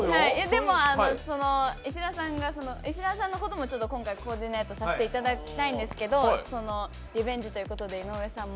でも石田さんのことも今回、コーディネートしていただきたいんですけど、リベンジということで、井上さんも。